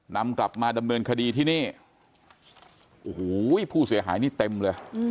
นำกลับมาดำเนินคดีที่นี่โอ้โหผู้เสียหายนี่เต็มเลย